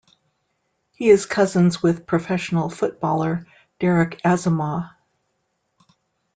He is cousins with professional footballer Derek Asamoah.